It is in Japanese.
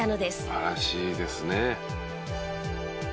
「素晴らしいですね」